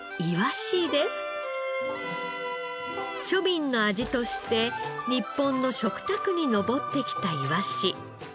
庶民の味として日本の食卓に上ってきたいわし。